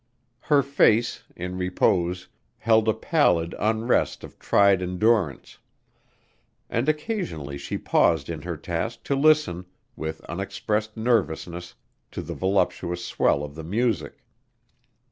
Her face, in repose, held a pallid unrest of tried endurance, and occasionally she paused in her task to listen, with unexpressed nervousness, to the voluptuous swell of the music.